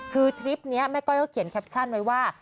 คือทริปนี้แม่ก้อยเขาเขียนแคปชั่นไว้ว่า